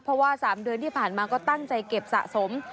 เพราะว่า๓เดือนที่ผ่านมาก็ตั้งใจเก็บสะสม